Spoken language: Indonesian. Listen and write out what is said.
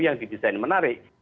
yang didesain menarik